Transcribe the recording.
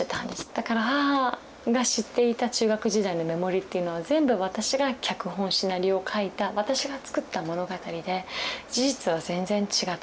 だから母が知っていた中学時代のメモリーっていうのは全部私が脚本シナリオ書いた私が作った物語で事実は全然違った。